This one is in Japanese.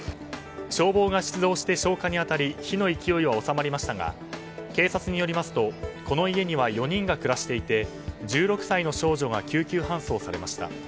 消防が出動して消火に当たり火の勢いは収まりましたが警察によりますとこの家には４人が暮らしていて１６歳の少女が救急搬送されました。